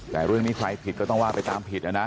แต่เรื่องนี้ใครผิดก็ต้องว่าไปตามผิดนะนะ